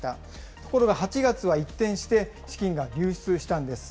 ところが８月は一転して、資金が流出したんです。